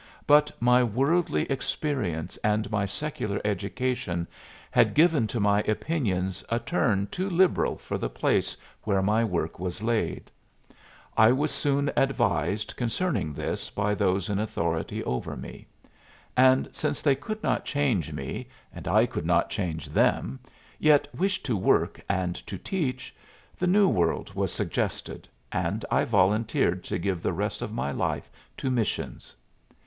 But my worldly experience and my secular education had given to my opinions a turn too liberal for the place where my work was laid. I was soon advised concerning this by those in authority over me. And since they could not change me and I could not change them, yet wished to work and to teach, the New World was suggested, and I volunteered to give the rest of my life to missions.